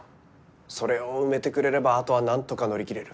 それを埋めてくれればあとはなんとか乗り切れる。